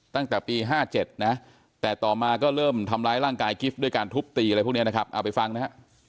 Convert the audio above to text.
ตั้งแต่ปี๕๗นะแต่ต่อมาก็เริ่มทำร้ายร่างกายกิฟต์ด้วยการทุบตีอะไรพวกนี้นะครับเอาไปฟังนะฮะ